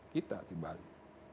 kita di bali